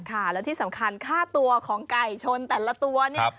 และที่สำคัญค่าตัวของไก่ชนแต่ละตัวเนี่ย